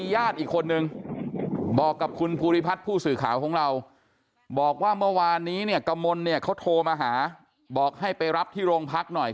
ญาติอีกคนนึงบอกกับคุณภูริพัฒน์ผู้สื่อข่าวของเราบอกว่าเมื่อวานนี้เนี่ยกมลเนี่ยเขาโทรมาหาบอกให้ไปรับที่โรงพักหน่อย